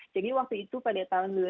jadi waktu itu pada tahun dua ribu lima belas